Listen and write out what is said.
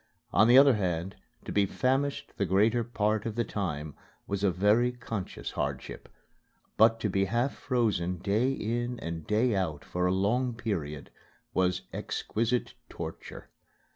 On the other hand, to be famished the greater part of the time was a very conscious hardship. But to be half frozen, day in and day out for a long period, was exquisite torture.